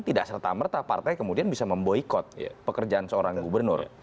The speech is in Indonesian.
tidak serta merta partai kemudian bisa memboykot pekerjaan seorang gubernur